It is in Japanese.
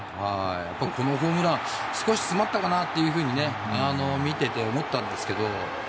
このホームラン少し詰まったかなと見ていて思ったんですけど